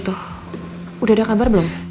telepanyu kabartein sama indians